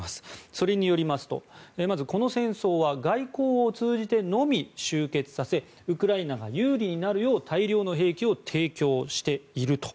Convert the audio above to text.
それによりますとこの戦争は外交を通じてのみ終結させウクライナが有利になるよう大量の兵器を提供していると。